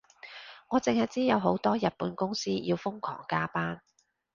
我淨係知好多日本公司要瘋狂加班